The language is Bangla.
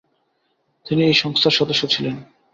তিনি এই সংস্থার সদস্য ছিলেন।